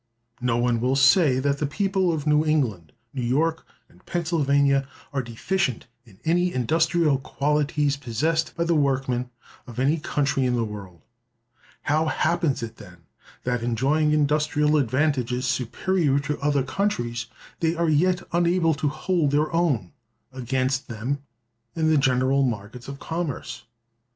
(367) No one will say that the people of New England, New York, and Pennsylvania, are deficient in any industrial qualities possessed by the workmen of any country in the world. How happens it, then, that, enjoying industrial advantages superior to other countries, they are yet unable to hold their own against them in the general markets of commerce?